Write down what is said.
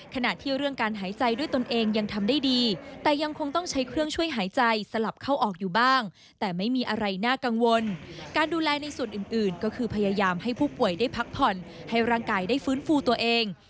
ขณะที่เรื่องการหายใจด้วยตนเองยังทำได้ดีแต่ยังคงต้องใช้เครื่องช่วยหายใจสลับเข้าออกอยู่บ้างแต่ไม่มีอะไรน่ากังวลการดูแลในส่วนอื่นก็คือพยายามให้ผู้ป่วยได้พักผ่อนให้ร่างกายได้ฟื้นฟูตัวเอง